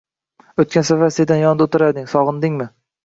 O‘tgan safar Sedani yonida o‘tirarding, sog‘indingmi?